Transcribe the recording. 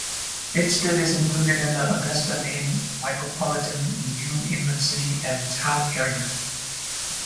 Pittston is included in the Augusta, Maine micropolitan New England City and Town Area.